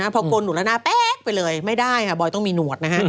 พอกวนหนูดแล้วหน้าแป๊กไปเลยไม่ได้บอยต้องมีหนวด